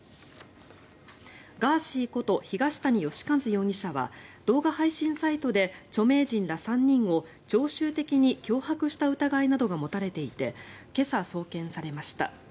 ガーシーこと東谷義和容疑者は動画配信サイトで著名人ら３人を常習的に脅迫した疑いなどが持たれていて今朝、送検されました。